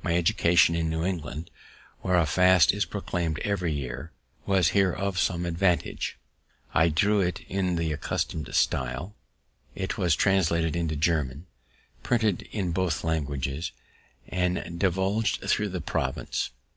My education in New England, where a fast is proclaimed every year, was here of some advantage: I drew it in the accustomed stile, it was translated into German, printed in both languages, and divulg'd thro' the province.